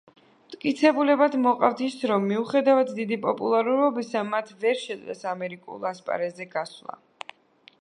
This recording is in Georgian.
მტკიცებულებად მოყავთ ის, რომ მიუხედავად დიდი პოპულარობისა მათ ვერ შეძლეს ამერიკულ ასპარესზე გასვლა.